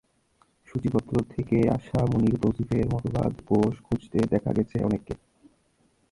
সূচীপত্র থেকে আসা মুনীর তৌসিফের মতবাদ কোষ খুঁজতে দেখা গেছে অনেককে।